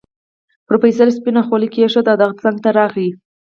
پروفيسر سپينه خولۍ کېښوده د هغه څنګ ته راغی.